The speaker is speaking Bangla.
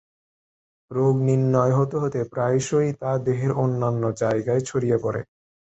রোগ নির্ণয় হতে হতে প্রায়শই তা দেহের অন্যান্য জায়গায় ছড়িয়ে পড়ে।